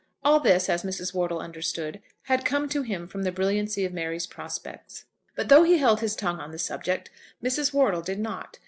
All this, as Mrs. Wortle understood, had come to him from the brilliancy of Mary's prospects. But though he held his tongue on the subject, Mrs. Wortle did not.